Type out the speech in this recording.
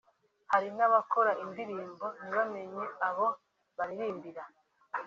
Hari n’abakora indirimbo ntibamenye abo baririmbira